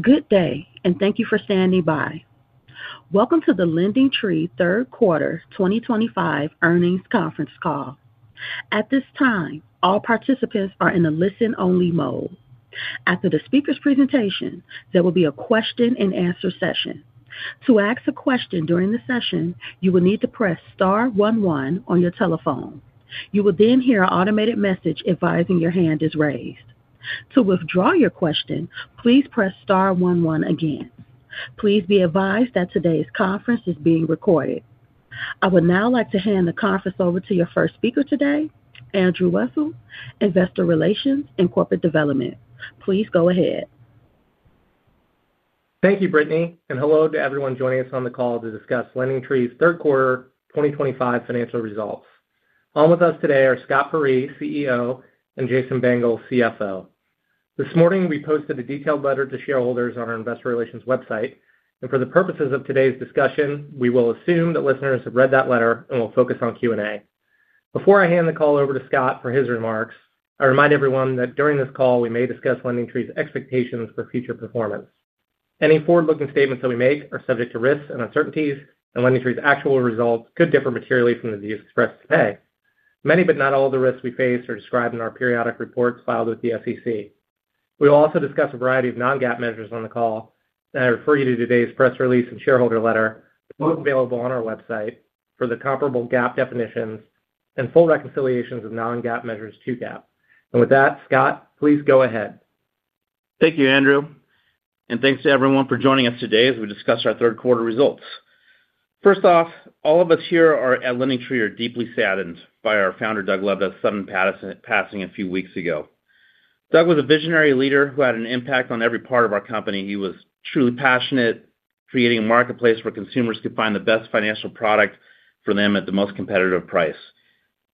Good day and thank you for standing by. Welcome to the LendingTree Third Quarter 2025 earnings conference call. At this time, all participants are in the listen-only mode. After the speaker's presentation, there will be a question and answer session. To ask a question during the session, you will need to press star one one on your telephone. You will then hear an automated message advising your hand is raised. To withdraw your question, please press star one one again. Please be advised that today's conference is being recorded. I would now like to hand the conference over to your first speaker today, Andrew Wessel, Investor Relations and Corporate Development. Please go ahead. Thank you, Brittany. Hello to everyone joining us on the call to discuss LendingTree's third quarter 2025 financial results. On with us today are Scott Peyree, CEO, and Jason Bengel, CFO. This morning we posted a detailed letter to shareholders on our investor relations website. For the purposes of today's discussion, we will assume that listeners have read that letter and will focus on Q&A. Before I hand the call over to Scott for his remarks, I remind everyone that during this call we may discuss LendingTree's expectations for future performance. Any forward-looking statements that we make are subject to risks and uncertainties, and LendingTree's actual results could differ materially from the views expressed today. Many, but not all, of the risks we face are described in our periodic reports filed with the SEC. We will also discuss a variety of non-GAAP measures on the call, and I refer you to today's press release and shareholder letter available on our website for the comparable GAAP definitions and full reconciliations of non-GAAP measures to GAAP. With that, Scott, please go ahead. Thank you, Andrew, and thanks to everyone for joining us today as we discuss our third quarter results. First off, all of us here at LendingTree are deeply saddened by our founder Doug Lebda's sudden passing a few weeks ago. Doug was a visionary leader who had an impact on every part of our company. He was truly passionate about creating a marketplace where consumers could find the best financial product for them at the most competitive price.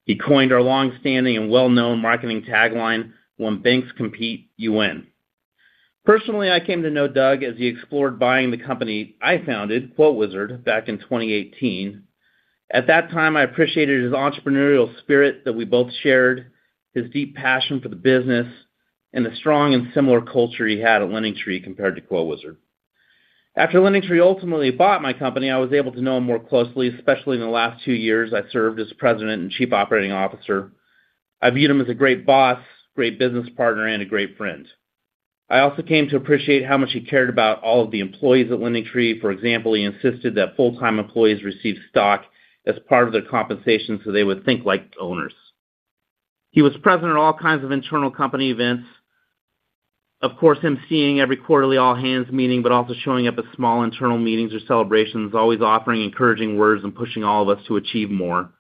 He coined our long-standing and well-known marketing tagline, "When banks compete, you win." Personally, I came to know Doug as he explored buying the company I founded, QuoteWizard, back in 2018. At that time, I appreciated his entrepreneurial spirit that we both shared, his deep passion for the business, and the strong and similar culture he had at LendingTree compared to QuoteWizard. After LendingTree ultimately bought my company, I was able to know him more closely, especially in the last two years I served as President and Chief Operating Officer. I viewed him as a great boss, great business partner, and a great friend. I also came to appreciate how much he cared about all of the employees at LendingTree. For example, he insisted that full-time employees receive stock as part of their compensation so they would think like owners. He was present at all kinds of internal company events. Of course, him seeing every quarterly all-hands meeting, but also showing up at small internal meetings or celebrations, always offering encouraging words and pushing all of us to achieve more.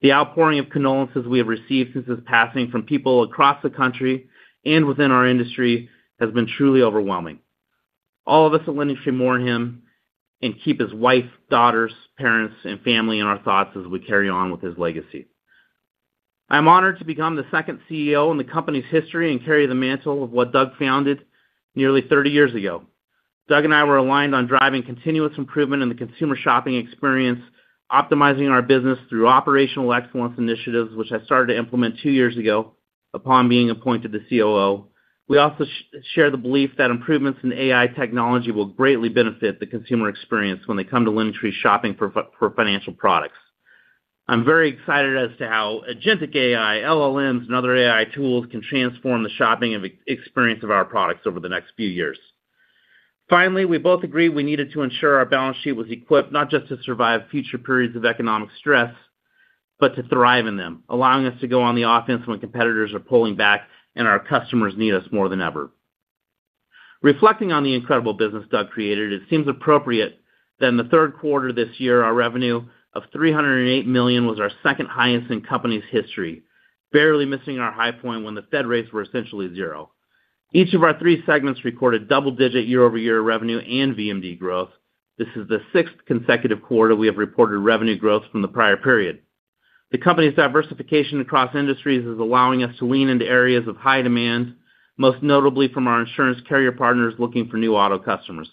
The outpouring of condolences we have received since his passing from people across the country and within our industry has been truly overwhelming. All of us at LendingTree should mourn him and keep his wife, daughters, parents, and family in our thoughts as we carry on with his legacy. I am honored to become the second CEO in the company's history and carry the mantle of what Doug founded nearly 30 years ago. Doug and I were aligned on driving continuous improvement in the consumer shopping experience, optimizing our business through operational excellence initiatives, which I started to implement two years ago upon being appointed the COO. We also share the belief that improvements in AI technology will greatly benefit the consumer experience when they come to LendingTree shopping for financial products. I'm very excited as to how agentic AI, LLMs, and other AI tools can transform the shopping experience of our products over the next few years. Finally, we both agreed we needed to ensure our balance sheet was equipped not just to survive future periods of economic stress, but to thrive in them, allowing us to go on the offense when competitors are pulling back and our customers need us more than ever. Reflecting on the incredible business Doug created, it seems appropriate that in the third quarter this year our revenue of $308 million was our second highest in the company's history, barely missing our high point when the Fed rates were essentially zero. Each of our three segments recorded double-digit year-over-year revenue and VMD growth. This is the sixth consecutive quarter we have reported revenue growth from the prior period. The company's diversification across industries is allowing us to lean into areas of high demand, most notably from our insurance carrier partners looking for new auto customers.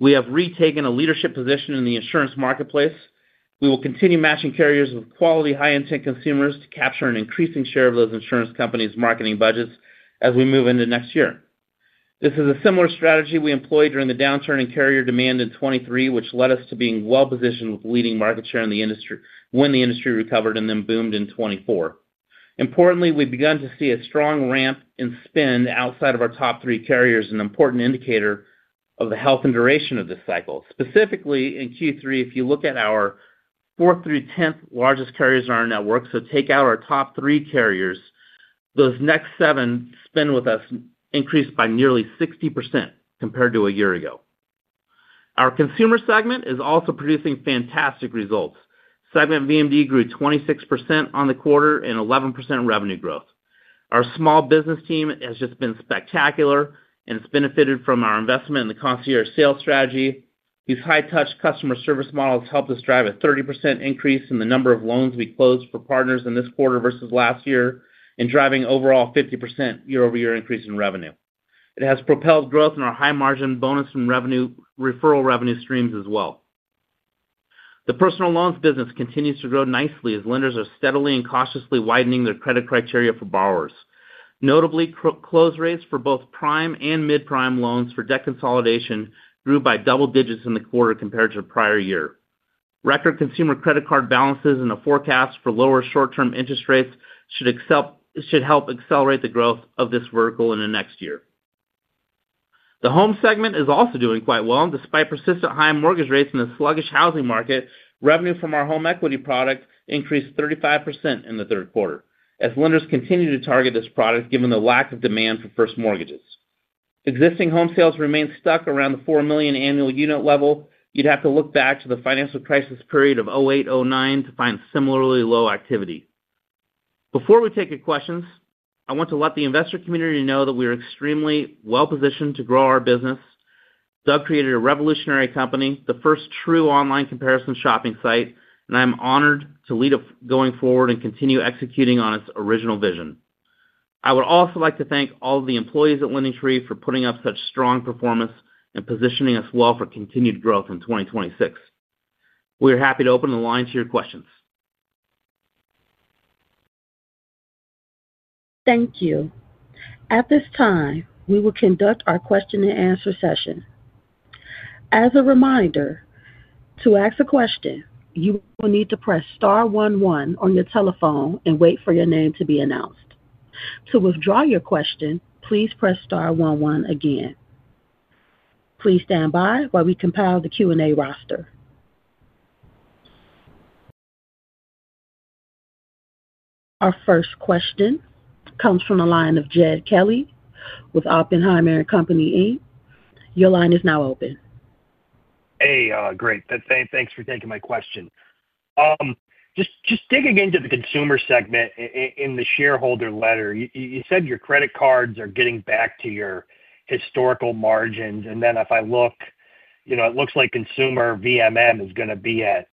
We have retaken a leadership position in the insurance marketplace. We will continue matching carriers with quality, high-intent consumers to capture an increasing share of those insurance companies' marketing budgets as we move into next year. This is a similar strategy we employed during the downturn in carrier demand in 2023, which led us to being well positioned with leading market share in the industry when the industry recovered and then boomed in 2024. Importantly, we've begun to see a strong ramp in spend outside of our top three carriers, an important indicator of the health and duration of this cycle. Specifically, in Q3, if you look at our 4th through 10th largest carriers on our network, so take out our top three carriers, those next seven spend with us increased by nearly 60% compared to a year ago. Our consumer segment is also producing fantastic results. Segment VMD grew 26% on the quarter and 11% revenue growth. Our small business team has just been spectacular and it's benefited from our investment in the concierge sales strategy. These high-touch customer service models helped us drive a 30% increase in the number of loans we closed for partners in this quarter versus last year and driving overall 50% year-over-year increase in revenue. It has propelled growth in our high-margin bonus and referral revenue streams as well. The personal loans business continues to grow nicely as lenders are steadily and cautiously widening their credit criteria for borrowers. Notably, close rates for both prime and mid prime loans for debt consolidation grew by double digits in the quarter compared to the prior year. Record consumer credit card balances and the forecast for lower short term interest rates should help accelerate the growth of this vertical in the next year. The home segment is also doing quite well despite persistent high mortgage rates in the sluggish housing market. Revenue from our home equity product increased 35% in the third quarter as lenders continue to target this product. Given the lack of demand for first mortgages, existing home sales remain stuck around the 4 million annual unit level. You'd have to look back to the financial crisis period of 2008-2009 to find similarly low activity. Before we take your questions, I want to let the investor community know that we are extremely well positioned to grow our business. Doug created a revolutionary company, the first true online comparison shopping site, and I'm honored to lead it going forward and continue executing on its original vision. I would also like to thank all the employees at LendingTree for putting up such strong performance and positioning us well for continued growth in 2026. We are happy to open the line to your questions. Thank you. At this time we will conduct our question and answer session. As a reminder, to ask a question, you will need to press Star one one on your telephone and wait for your name to be announced. To withdraw your question, please press Star one one again. Please stand by while we compile the Q and A roster. Our first question comes from the line of Jed Kelly with Oppenheimer & Company. Your line is now open. Hey, great. Thanks for taking my question. Just digging into the Consumer segment, in the shareholder letter you said your credit cards are getting back to your historical margins. If I look, it looks like Consumer VMM is going to be at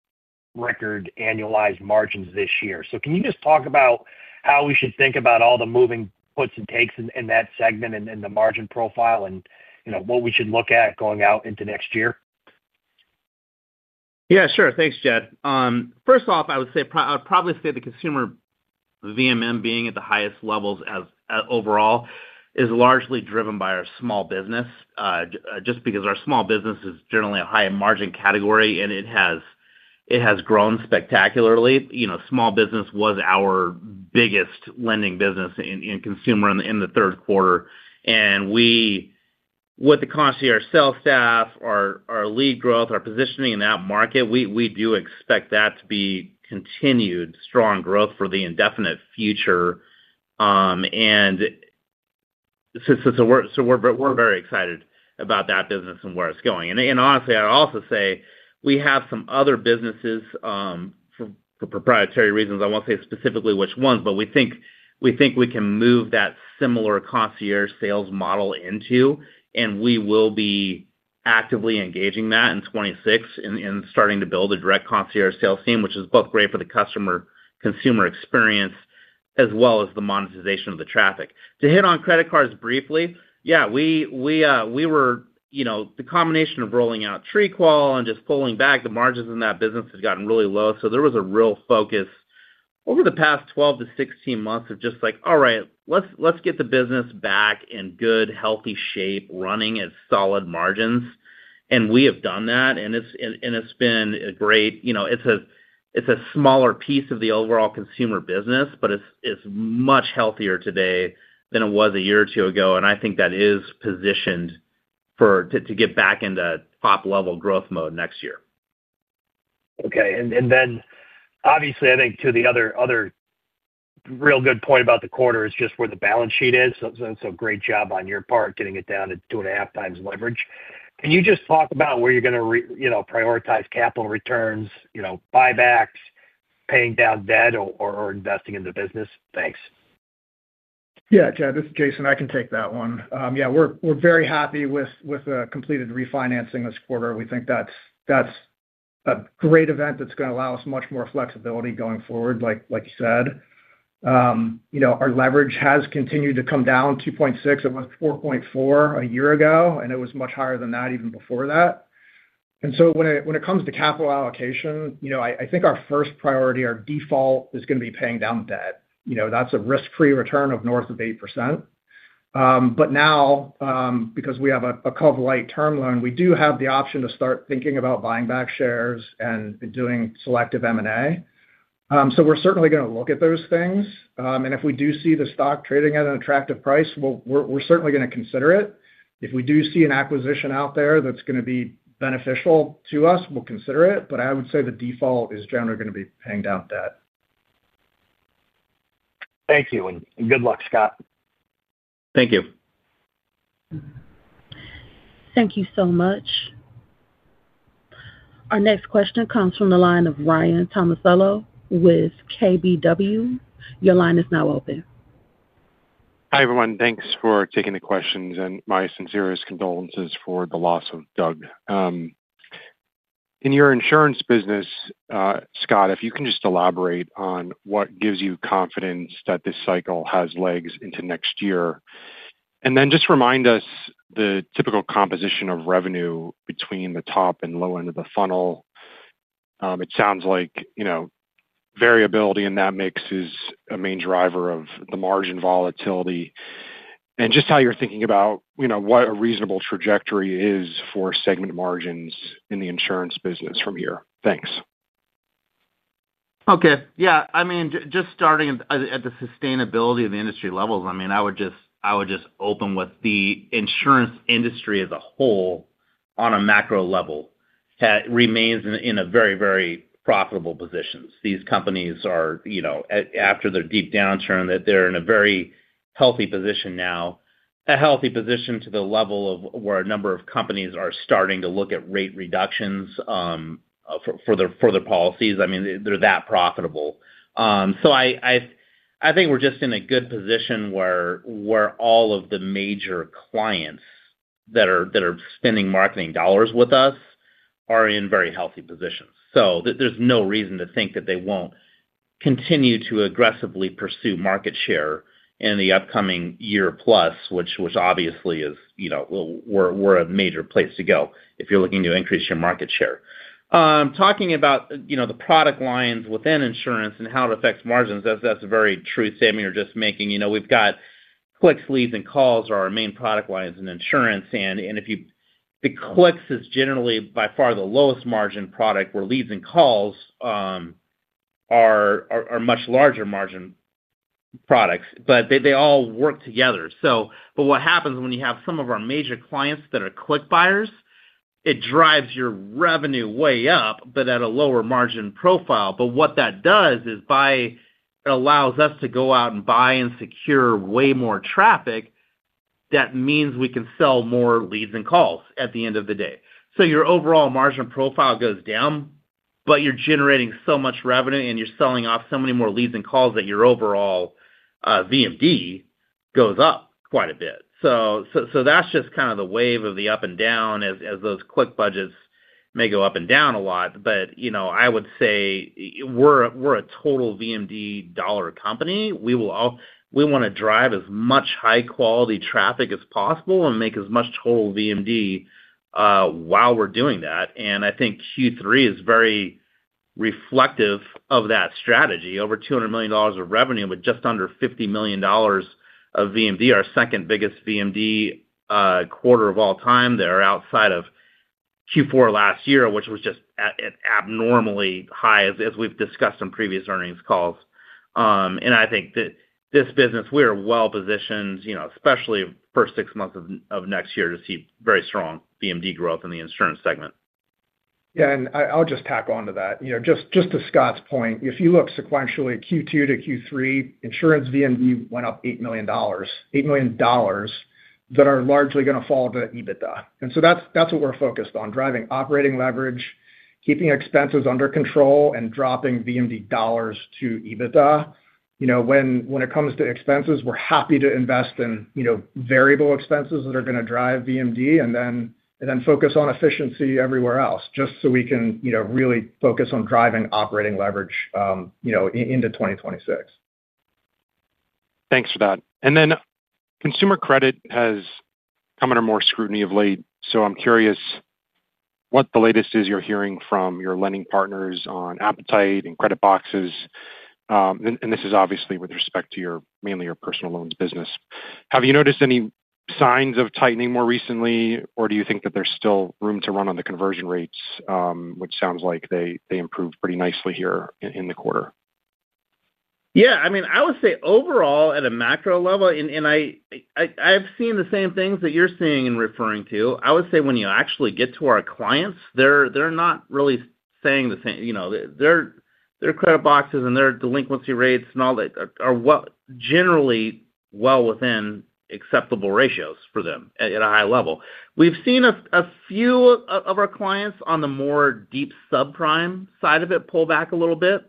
record annualized margins this year. Can you just talk about how we should think about all the moving puts and takes in that segment and the margin profile, and what we should look at going out into next year? Yeah, sure. Thanks, Jed. First off, I would say the consumer VMM being at the highest levels overall is largely driven by our small business just because our small business is generally a high margin category and it has grown spectacularly. You know, small business was our biggest lending business in consumer in the third quarter. With the constant of our sales staff, our lead growth, our positioning in that market, we do expect that to be continued strong growth for the indefinite future. Future. We're very excited about that business and where it's going. Honestly, I'd also say we have some other businesses; for proprietary reasons, I won't say specifically which ones, but we think we can move that similar concierge sales model into them, and we will be actively engaging that in 2026 and starting to build a direct concierge sales team, which is both great for the consumer experience as well as the monetization of the traffic. To hit on credit cards briefly, the combination of rolling out Trequal and just pulling back, the margins in that business have gotten really low. There was a real focus over the past 12 - 16 months of just like, all right, let's get the business back in good healthy shape, running at solid margins. We have done that, and it's been a great, you know, it's a smaller piece of the overall consumer business, but it's much healthier today than it was a year or two ago. I think that is positioned to get back into top-level growth mode next year. Okay. Obviously, I think the other real good point about the quarter is just where the balance sheet is. Great job on your part getting it down to 2.5x leverage. Can you just talk about where you're going to prioritize capital returns, you know, buybacks, paying down debt, or investing in the business? Thanks. Yeah, this is Jason. I can take that one. We're very happy with the completed refinancing this quarter. We think that's a great event that's going to allow us much more flexibility going forward. Like you said, our leverage has continued to come down to 2.6. It was 4.4 a year ago and it was much higher than that even before that. When it comes to capital allocation, I think our first priority, our default, is going to be paying down debt. That's a risk-free return of north of 8%. Now, because we have a cov light term loan, we do have the option to start thinking about buying back shares and doing selective M&A. We're certainly going to look at those things, and if we do see the stock trading at an attractive price, we're certainly going to consider it. If we do see an acquisition out there that's going to be beneficial to us, we'll consider it. I would say the default is generally going to be paying down debt. Thank you and good luck, Scott. Thank you. Thank you so much. Our next question comes from the line of Ryan Tomasello with KBW. Your line is now open. Hi everyone, thanks for taking the questions and my sincerest condolences for the loss of Doug in your insurance business. Scott, if you can just elaborate on what gives you confidence that this cycle has legs into next year and then just remind us the typical composition of revenue between the top and low end of the funnel. It sounds like, you know, variability in that mix is a main driver of the margin volatility and just how you're thinking about, you know, what a reasonable trajectory is for segment margins in the insurance business from here. Thanks. Okay. Yeah, just starting at the sustainability of the industry levels, I would just open with the insurance industry as a whole on a macro level remains in a very, very profitable position. These companies are after their deep downturn that they're in a very healthy position now, a healthy position to the level of where a number of companies are starting to look at rate reductions for their policies. They're that profitable. I think we're just in a good position where all of the major clients that are spending marketing dollars with us are in very healthy positions. There's no reason to think that they won't continue to aggressively pursue market share in the upcoming year plus, which obviously is, you know, we're a major place to go if you're looking to increase your market share. Talking about the product lines within insurance and how it affects margins, that's a very true statement you're just making. We've got clicks, leads, and calls are our main product lines in insurance. The clicks is generally by far the lowest margin product, where leads and calls are much larger margin products, but they all work together. What happens when you have some of our major clients that are click buyers, it drives your revenue way up, but at a lower margin profile. What that does is it allows us to go out and buy and secure way more traffic. That means we can sell more leads and calls at the end of the day. Your overall margin profile goes down, but you're generating so much revenue and you're selling off so many more leads and calls that your overall VMD goes up quite a bit. That's just kind of the wave of the up and down as those click budgets may go up and down a lot. I would say we're a total VMD dollar company. We want to drive as much high quality traffic as possible and make as much total VMD while we're doing that. I think Q3 is very reflective of that strategy. Over $200 million of revenue with just under $50 million of VMD. Our second biggest VMD quarter of all time there outside of Q4 last year, which was just abnormally high as we've discussed on previous earnings calls. I think that this business we are well positioned, especially first six months of next year, to see very strong VMD growth in the insurance segment. I'll just tack on to that, just to Scott's point, if you look sequentially Q2 to Q3 insurance, VMD went up $8 million, $8 million that are largely going to fall to EBITDA. That's what we're focused on, driving operating leverage, keeping expenses under control, and dropping VMD dollars to EBITDA. When it comes to expenses, we're happy to invest in variable expenses that are going to drive VMD and then focus on efficiency everywhere else, just so we can really focus on driving operating leverage into 2026. Thanks for that. Consumer credit has come under more scrutiny of late. I'm curious what the latest is you're hearing from your lending partners on appetite and credit boxes. This is obviously with respect to mainly your personal loans business. Have you noticed any signs of tightening more recently, or do you think that there's still room to run on the conversion rates, which sounds like they improved pretty nicely here in the quarter. Yeah, I mean, I would say overall at a macro level, and I've seen the same things that you're seeing and referring to. I would say when you actually get to our clients, they're not really saying the same. Their credit boxes and their delinquency rates and all that are generally well within acceptable ratios for them. At a high level, we've seen a few of our clients on the more deep subprime side of it pull back a little bit.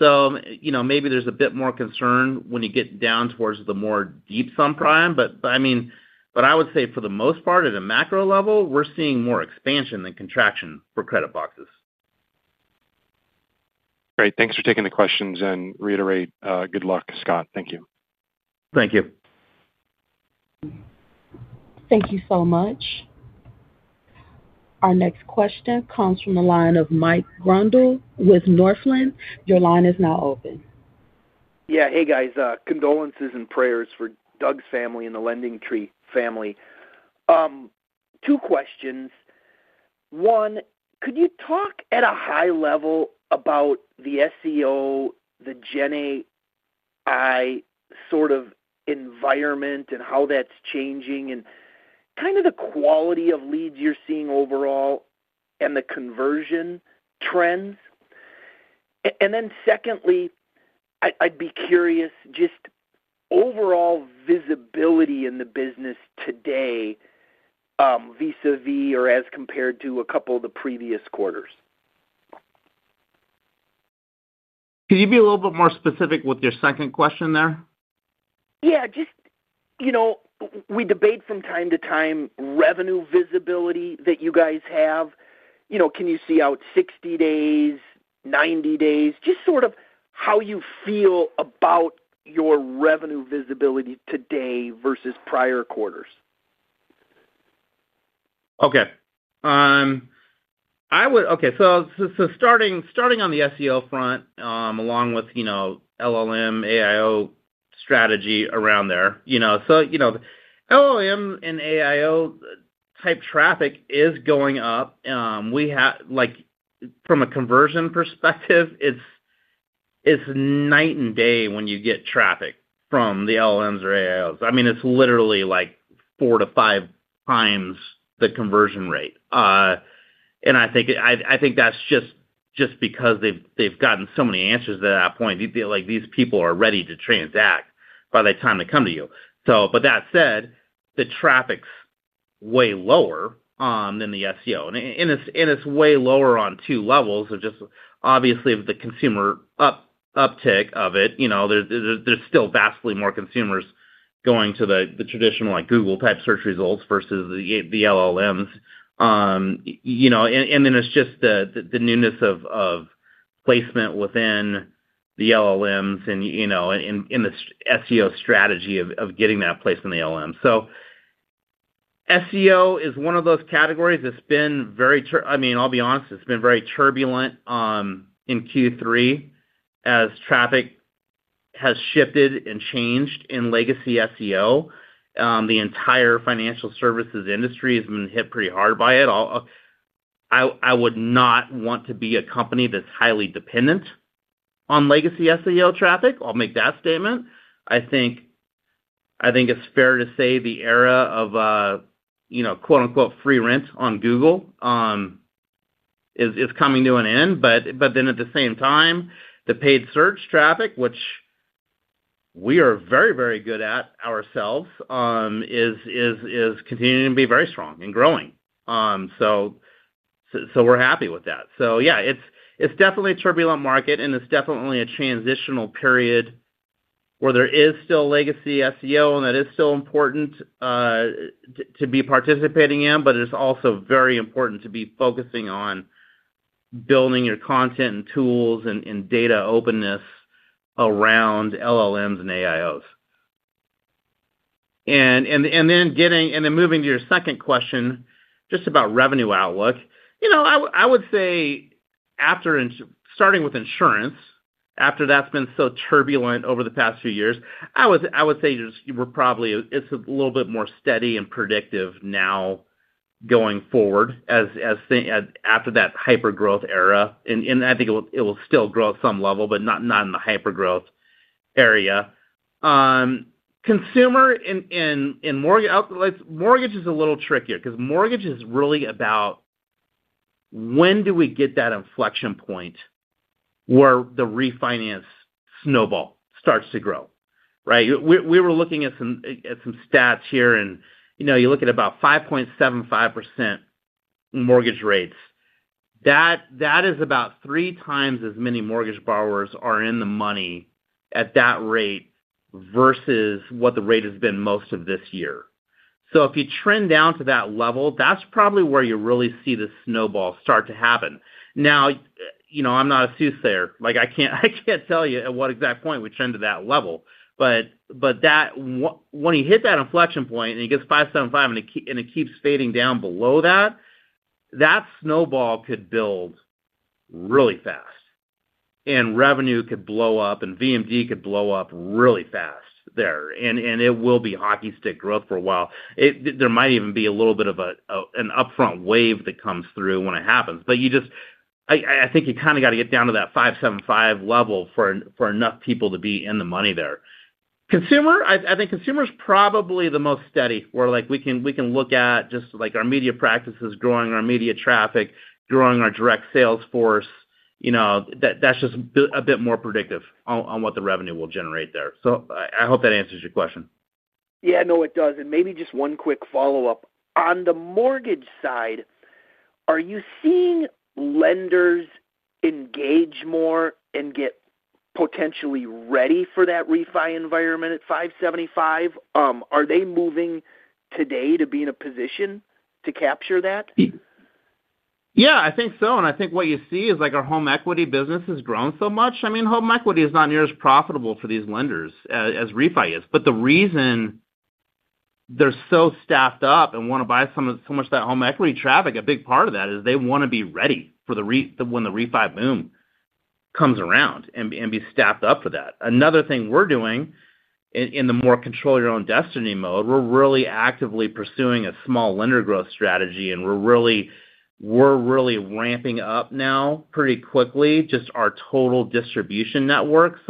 Maybe there's a bit more concern when you get down towards the more deep subprime. I would say for the most part, at a macro level, we're seeing more expansion than contraction for credit boxes. Great. Thanks for taking the questions and reiterate. Good luck, Scott. Thank you. Thank you. Thank you so much. Our next question comes from the line of Mike Grondahl with Northland. Your line is now open. Yeah. Hey guys, condolences and prayers for Doug's family and the LendingTree family. Two questions. One, could you talk at a high level about the SEO, the generative AI sort of environment and how that's changing and kind of the quality of leads you're seeing overall and the conversion trends? Secondly, I'd be curious just overall visibility in the business today vis-à-vis or as compared to a couple of the previous quarters. Can you be a little bit more specific with your second question? Yeah, just, you know, we debate from time to time revenue visibility that you guys have. Can you see out 60 days, 90 days? Just sort of how you feel about your revenue visibility today versus prior quarters. Okay, so starting on the SEO front along with LLM AIO strategy around there, LLM and AIO type traffic is going up. We have, from a conversion perspective, it's night and day when you get traffic from the LLMs or AIO's. I mean, it's literally like four to five times the conversion rate. I think that's just because they've gotten so many answers at that point. You'd be like, these people are ready to transact by the time they come to you. That said, the traffic's way lower than the SEO and it's way lower on two levels. Obviously, the consumer uptick of it, there's still vastly more consumers going to the traditional Google type search results versus the LLMs. It's just the newness of placement within the LLMs in the SEO strategy of getting that place in the LLM. SEO is one of those categories that's been very, I'll be honest, it's been very turbulent in Q3 as traffic has shifted and changed in legacy SEO. The entire financial services industry has been hit pretty hard by it. I would not want to be a company that's highly dependent on legacy SEO traffic. I'll make that statement. I think it's fair to say the era of free rent on Google is coming to an end. At the same time, the paid search traffic, which we are very, very good at ourselves, is continuing to be very strong and growing. We're happy with that. It's definitely a turbulent market and it's definitely a transitional period where there is still legacy SEO and that is still important to be participating in. It is also very important to be focusing on building your content and tools and data openness around LLMs and AIO's. Moving to your second question, just about revenue outlook, I would say starting with insurance after that's been so turbulent over the past few years, I would say it's a little bit more steady and predictive now going forward after that hyper growth era. I think it will still grow at some level, but not in the hyper growth area. Consumer mortgage is a little trickier because mortgage is really about when do we get that inflection point where the refinance snowball starts to grow. We were looking at some stats here and you look at about 5.75% mortgage rates. That is about three times as many mortgage borrowers are in the money at that rate versus what the rate has been most of this year. If you trend down to that level, that's probably where you really see the snowball start to happen. I'm not a soothsayer. I can't tell you at what exact point we turn to that level, but when you hit that inflection point and it gets to 5.75% and it keeps fading down below that, that snowball could build really fast and revenue could blow up and VMD could blow up really fast there, and it will be hockey stick growth for a while. There might even be a little upfront wave that comes through when it happens. I think you kind of got to get down to that 5.75% level for enough people to be in the money there. Consumer, I think consumer is probably the most steady where we can look at just our media practices, growing our media traffic, growing our direct sales force. That's just a bit more predictive on what the revenue will generate there. I hope that answers your question. Yes, it does. Maybe just one quick follow-up on the mortgage side. Are you seeing lenders engage more and get potentially ready for that refi environment at 5.75%? Are they moving today to be in a position to capture that? Yeah, I think so. I think what you see is like our home equity business has grown so much. I mean home equity is not near as profitable for these lenders as refi is. The reason they're so staffed up and want to buy so much of that home equity traffic, a big part of that is they want to be ready for when the refi boom comes around and be staffed up for that. Another thing we're doing in the more control your own destiny mode, we're really actively pursuing a small lender growth strategy and we're really ramping up now pretty quickly. Just our total distribution network.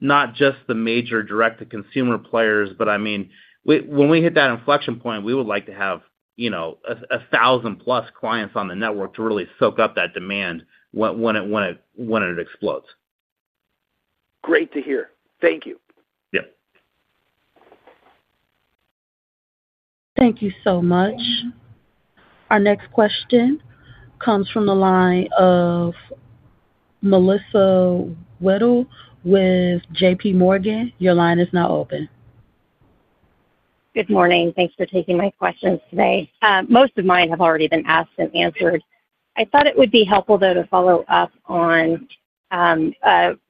Not just the major direct to consumer players but I mean when we hit that inflection point we would like to have 1,000+ clients on the network to really soak up that demand when it explodes. Great to hear. Thank you. Yep. Thank you so much. Our next question comes from the line of Melissa Wedel with JPMorgan. Your line is now open. Good morning. Thanks for taking my questions today. Most of mine have already been asked and answered. I thought it would be helpful though to follow up on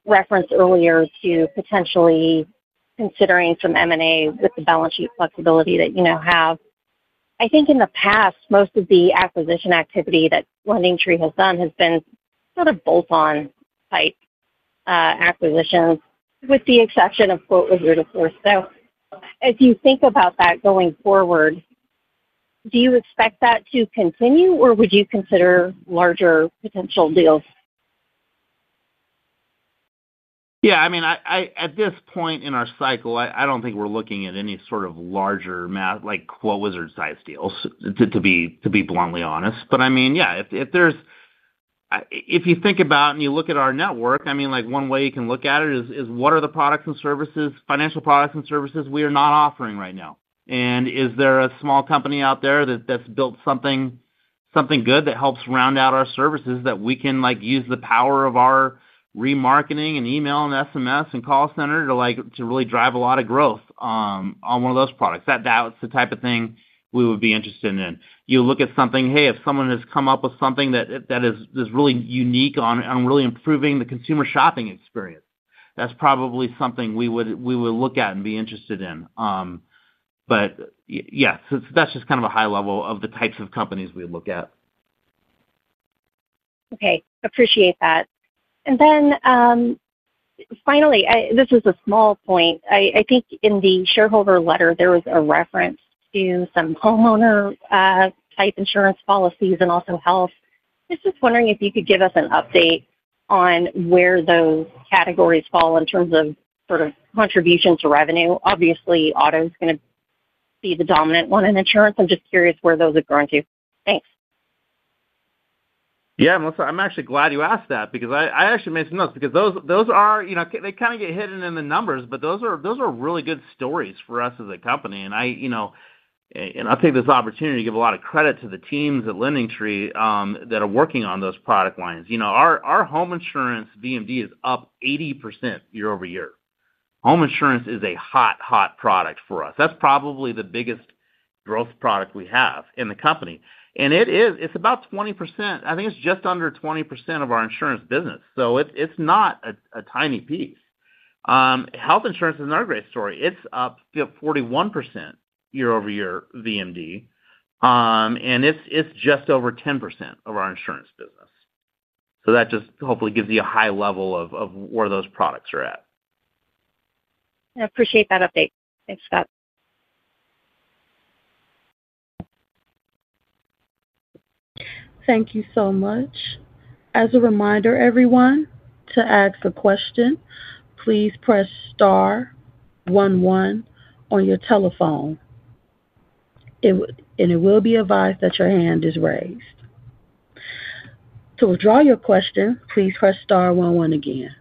reference earlier to potentially considering some M&A with the balance sheet flexibility that you now have. I think in the past most of the acquisition activity that LendingTree has done has been sort of bolt-on type acquisitions with the exception of QuoteWizard of course. As you think about that going forward, do you expect that to continue or would you consider larger potential deals? Yeah, I mean at this point in our cycle I don't think we're looking at any sort of larger, like QuoteWizard size deals, to be bluntly honest. If you think about and you look at our network, one way you can look at it is what are the products and services, financial products and services we are not offering right now? Is there a small company out there that's built something good that helps round out our services, that we can use the power of our remarketing and email and SMS and call center to really drive a lot of growth on one of those products? That was the type of thing we would be interested in. You look at something, hey, if someone has come up with something that is really unique on really improving the consumer shopping experience, that's probably something we would look at and be interested in. Yes, that's just kind of a high level of the types of companies we look at. Okay, appreciate that. Finally, I think in the shareholder letter there was a reference to some homeowner type insurance policies and also health. Just wondering if you could give us an update on where those categories fall in terms of sort of contribution to revenue. Obviously auto is going to be the dominant one in insurance. I'm just curious where those are going to. Thanks. Yeah, Melissa, I'm actually glad you asked that because I actually made some notes because those are, you know, they kind of get hidden in the numbers. Those are really good stories for us as a company. I think this opportunity to give a lot of credit to the teams at LendingTree that are working on those product lines. Our home insurance VMD is up 80% year-over-year. Home insurance is a hot, hot product for us. That's probably the biggest growth product we have in the company and it is, it's about 20%. I think it's just under 20% of our insurance business. It's not a tiny piece. Health insurance is another great story. It's up 41% year-over-year VMD and it's just over 10% of our insurance business. That just hopefully gives you a high level of where those products are at. I appreciate that update. Thanks, Scott. Thank you so much. As a reminder, everyone, to ask a question, please press star one one on your telephone and it will be advised that your hand is raised. To withdraw your question, please press star one one again.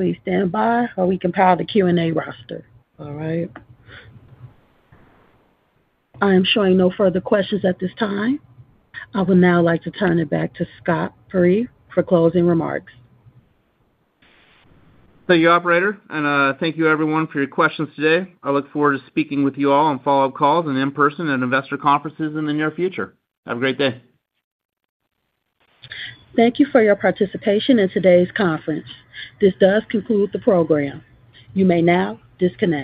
Please stand by, or we can power the Q and A roster. All right. I am showing no further questions at this time. I would now like to turn it back to Scott Peyree for closing remarks. Thank you, operator, and thank you, everyone, for your questions today. I look forward to speaking with you all on follow-up calls and in person and investor conferences in the near future. Have a great day. Thank you for your participation in today's conference. This does conclude the program. You may now disconnect.